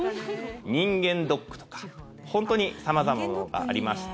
人間ドックとか本当に様々なものがありまして。